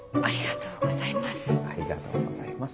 ありがとうございます。